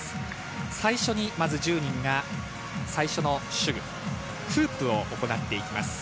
最初にまず１０人が最初の手具フープを行っていきます。